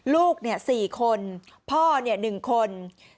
ลูกเนี่ย๔คนพ่อเนี่ย๑คน